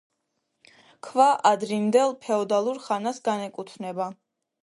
ქვა ადრინდელ ფეოდალურ ხანას განეკუთვნება.